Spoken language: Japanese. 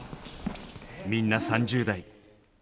みんな３０代。